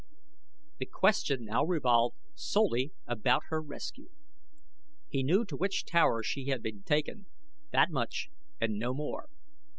The question now revolved solely about her rescue. He knew to which tower she had been taken that much and no more.